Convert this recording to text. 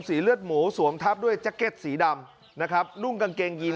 เลือดหมูสวมทับด้วยแจ็คเก็ตสีดำนะครับนุ่งกางเกงยีน